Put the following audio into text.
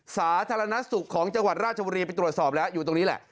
สาธารณสุขของจังหวัดราชบุรีไปตรวจสอบแล้วอยู่ตรงนี้แหละ